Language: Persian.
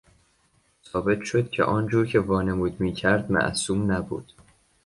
ثابت شد که آنجور که وانمود میکرد معصوم نبود.